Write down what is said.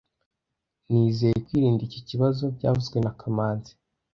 Nizeye kwirinda iki kibazo byavuzwe na kamanzi